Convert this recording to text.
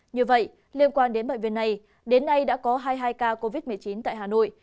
như vậy liên quan đến bệnh viện này đến nay đã có hai mươi hai ca covid một mươi chín tại hà nội